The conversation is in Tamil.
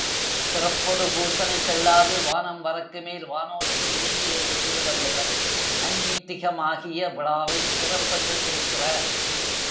சிறப்பொடு பூசனை செல்லாது, வானம் வறக்குமேல் வானோர்க்கும் ஈண்டு என்று திருவள்ளுவர் நைமித்திகமாகிய விழாவைச் சிறப்பென்று குறிக்கிறார்.